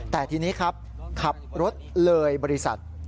แต่ทีนี้ครับขับรถเลยบริษัท